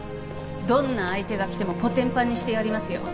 どんな相手が来てもコテンパンにしてやりますよ